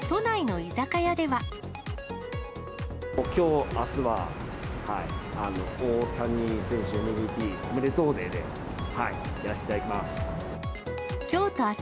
きょう、あすは、大谷選手ＭＶＰおめでとうデーでやらせていただきます。